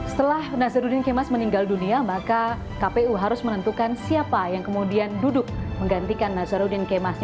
setelah nazaruddin kemas meninggal dunia maka kpu harus menentukan siapa yang kemudian duduk menggantikan nazaruddin kemas